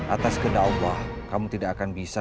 atas kenda allah kamu tidak akan bisa